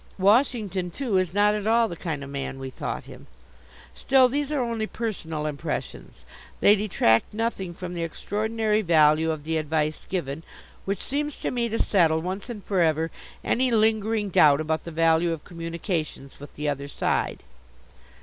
Washington, too, is not at all the kind of man we thought him. Still, these are only personal impressions. They detract nothing from the extraordinary value of the advice given, which seems to me to settle once and for ever any lingering doubt about the value of communications with the Other Side.